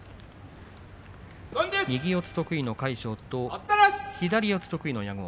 右四つ得意の魁勝と左四つ得意の矢後。